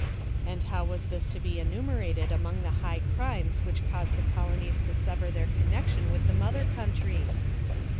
And how was this to be enumerated among the high crimes which caused the colonies to sever their connection with the mother country?